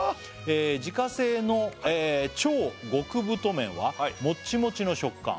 「自家製の超極太麺はモッチモチの食感」